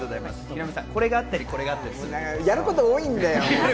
これがあったり、これがあったり、やること多いんだよ。